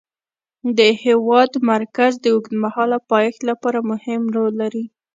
د هېواد مرکز د اوږدمهاله پایښت لپاره مهم رول لري.